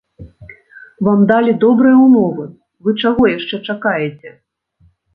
Вам далі добрыя ўмовы, вы чаго яшчэ чакаеце?